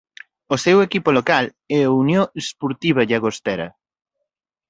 O seu equipo local é o Unió Esportiva Llagostera.